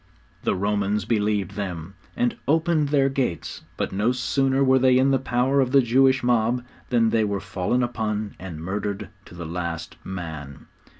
The Romans believed them, and opened their gates; but no sooner were they in the power of the Jewish mob than they were fallen upon and murdered to the last man!